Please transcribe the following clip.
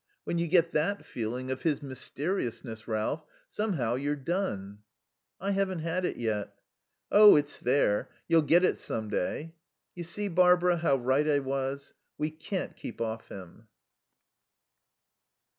When you get that feeling of his mysteriousness, Ralph somehow you're done." "I haven't had it yet." "Oh, it's there. You'll get it some day." "You see, Barbara, how right I was? We can't keep off him."